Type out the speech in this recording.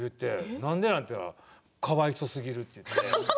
なんでなん？って言ったらかわいそうすぎるってね。